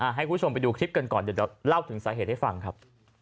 ให้คุณผู้ชมไปดูคลิปกันก่อนเดี๋ยวเล่าถึงสาเหตุให้ฟังครับ